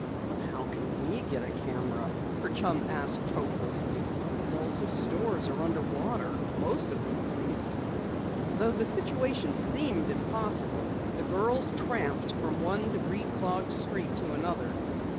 "But how can we get a camera?" her chum asked hopelessly. "Delta's stores are under water most of them at least." Though the situation seemed impossible, the girls tramped from one debris clogged street to another.